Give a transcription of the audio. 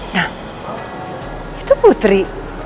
nah itu putri